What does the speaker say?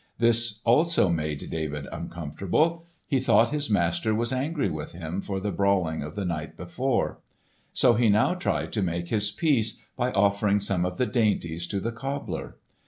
This also made David uncomfortable. He thought his master was angry with him for the brawling of the night before; so he now tried to make his peace by offering some of the dainties to the cobbler.